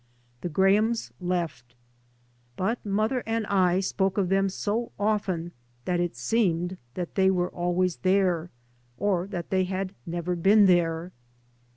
The Grahams left. But mother and I spoke of thera so often that it seemed that they were always there or that they had never been there.